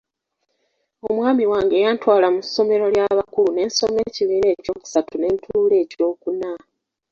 Omwami wange yantwala mu ssomero ly'abakulu ne nsoma ekibiina ekyokusatu ne ntuula n'ekyokuna.